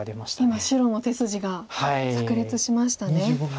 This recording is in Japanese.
今白の手筋がさく裂しましたね。